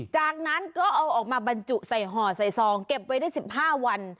จากนั้นก็เอาออกมาบรรจุใส่ห่อใส่ซองเก็บไว้ได้๑๕วัน